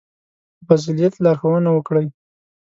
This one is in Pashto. • په فضیلت لارښوونه وکړئ.